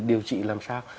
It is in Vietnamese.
điều trị làm sao